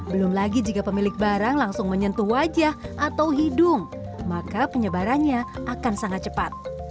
belum lagi jika pemilik barang langsung menyentuh wajah atau hidung maka penyebarannya akan sangat cepat